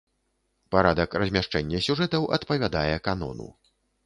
Парадак размяшчэння сюжэтаў адпавядае канону.